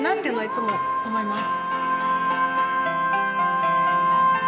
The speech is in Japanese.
いつも思います。